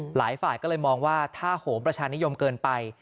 หลายฝ่ายก็เลยมองว่าถ้าโหมประชานิยมเกินไป